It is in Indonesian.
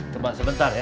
coba sebentar ya